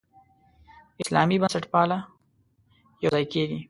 اسلامي بنسټپالنه یوځای کېږي.